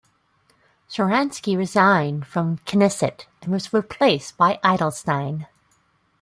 Sharansky resigned from the Knesset, and was replaced by Edelstein.